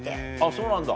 そうなんだ。